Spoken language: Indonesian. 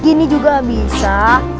segini juga bisa